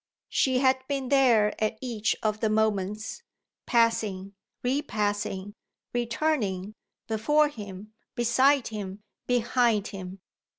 She had been there at each of the moments, passing, repassing, returning, before him, beside him, behind him.